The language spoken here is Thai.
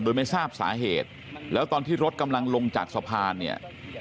โดยไม่ทราบสาเหตุแล้วตอนที่รถกำลังลงจากสะพานเนี่ย